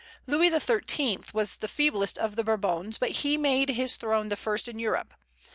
Louis XIII. was the feeblest of the Bourbons, but he made his throne the first in Europe.